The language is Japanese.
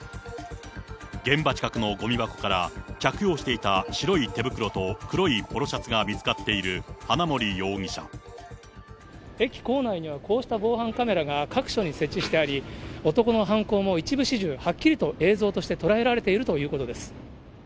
現場近くのごみ箱から、着用していた白い手袋と黒いポロシャツが見つかっている花森容疑駅構内には、こうした防犯カメラが各所に設置してあり、男の犯行の一部始終、はっきりと映像として捉えられているということです。